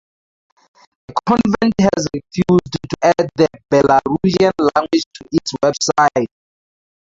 The convent has refused to add the Belarusian language to its website.